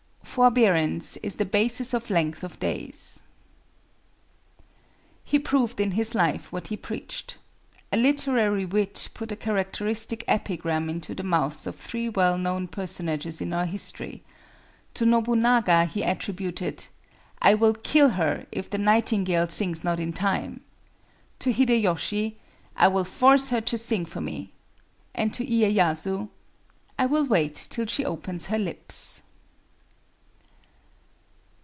Forbearance is the basis of length of days." He proved in his life what he preached. A literary wit put a characteristic epigram into the mouths of three well known personages in our history: to Nobunaga he attributed, "I will kill her, if the nightingale sings not in time;" to Hidéyoshi, "I will force her to sing for me;" and to Iyéyasu, "I will wait till she opens her lips."